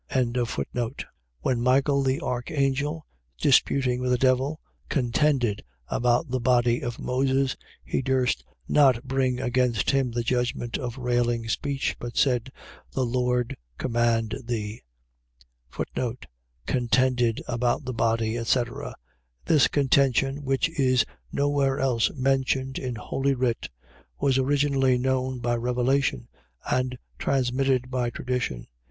1:9. When Michael the archangel, disputing with the devil, contended about the body of Moses, he durst not bring against him the judgment of railing speech, but said: The Lord command thee. Contended about the body, etc. . .This contention, which is no where else mentioned in holy writ, was originally known by revelation, and transmitted by tradition.